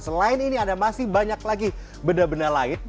selain ini ada masih banyak lagi benda benda lain